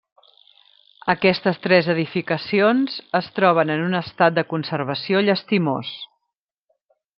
Aquestes tres edificacions es troben en un estat de conservació llastimós.